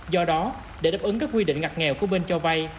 do đó để đáp ứng các quy định ngặt nghèo của bên cho vay